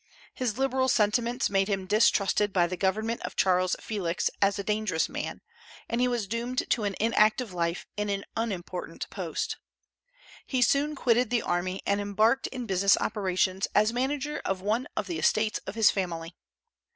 His liberal sentiments made him distrusted by the government of Charles Felix as a dangerous man, and he was doomed to an inactive life in an unimportant post. He soon quitted the army, and embarked in business operations as manager of one of the estates of his family.